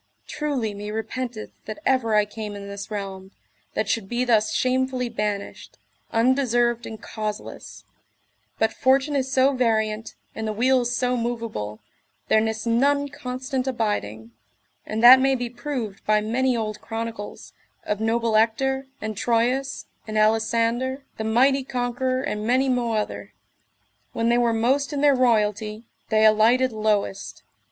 Truly me repenteth that ever I came in this realm, that should be thus shamefully banished, undeserved and causeless; but fortune is so variant, and the wheel so moveable, there nis none constant abiding, and that may be proved by many old chronicles, of noble Ector, and Troilus, and Alisander, the mighty conqueror, and many mo other; when they were most in their royalty, they alighted lowest.